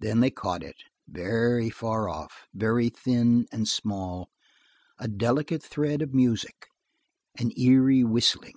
Then they caught it, very far off, very thin and small, a delicate thread of music, an eerie whistling.